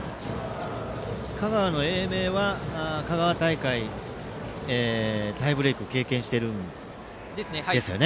香川の英明は香川大会でタイブレークを経験をしているんですね。